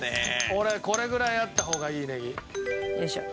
俺これぐらいあった方がいいネギ。よいしょ。